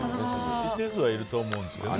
一定数はいると思うんですけどね。